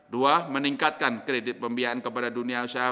dua meningkatkan kredit pembiayaan kepada dunia usaha